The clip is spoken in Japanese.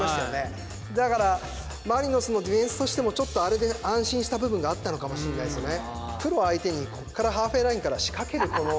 だからマリノスのディフェンスとしてもちょっとあれで安心した部分があったのかもしれないですね。